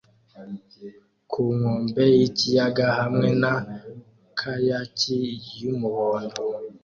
ku nkombe yikiyaga hamwe na kayaki yumuhondo